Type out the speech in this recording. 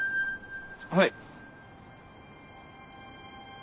はい。